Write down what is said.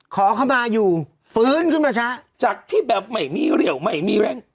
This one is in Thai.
ขอเข้ามาอยู่ฟื้นขึ้นมาช้าจากที่แบบไม่มีเรี่ยวไม่มีแรง